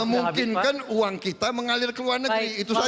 memungkinkan uang kita mengalir ke luar negeri itu saja